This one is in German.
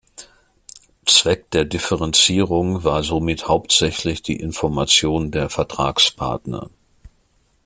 Zweck der Differenzierung war somit hauptsächlich die Information der Vertragspartner.